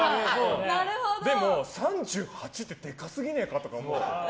でも、３８ってでかすぎねえかと思って。